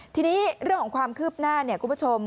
ทีนี้เรื่องของความคืบหน้าเนี่ยคุณผู้ชม